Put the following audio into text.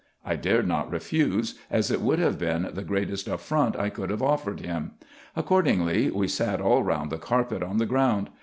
I dared not refuse, as it would have been the greatest affront I could have offered him. Accordingly, we sat all round the carpet, on the ground.